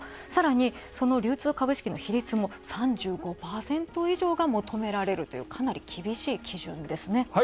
さらにその流通株式の比率も３５％以上が求められるというかなり厳しい基準ですね。